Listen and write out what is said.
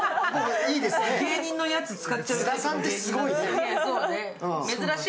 芸人のやつ使っちゃう。